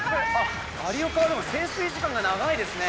有岡は潜水時間が長いですね。